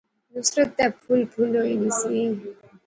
نصرت تے پُھل پُھل ہوئی نی سی